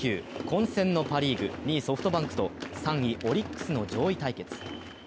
混戦のパリーグ２位ソフトバンクと３位オリックスの上位対決。